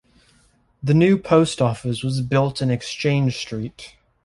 The new post office was built in Exchange Street.